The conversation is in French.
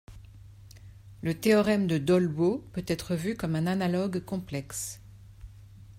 Le théorème de Dolbeault peut être vu comme un analogue complexe.